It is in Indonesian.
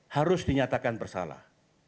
harus dinyatakan bersalah